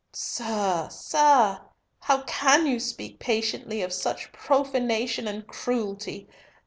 "Sir! sir! how can you speak patiently of such profanation and cruelty?